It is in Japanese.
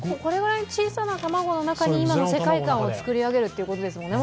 小さな卵の中に今の世界観を作り上げるということですね。